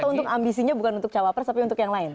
atau untuk ambisinya bukan untuk cawapres tapi untuk yang lain